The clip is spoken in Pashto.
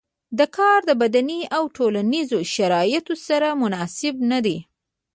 دا کار د بدني او ټولنیزو شرایطو سره مناسب نه دی.